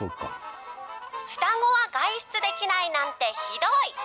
双子は外出できないなんてひどい。